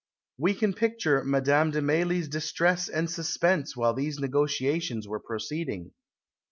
We can picture Madame de Mailly's distress and suspense while these negotiations were proceeding.